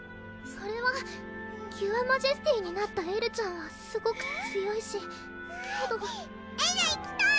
それはキュアマジェスティになったエルちゃんはすごく強いしけどえるいきたい！